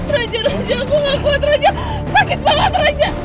raja raja aku gak kuat raja sakit banget raja